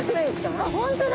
あっ本当だ。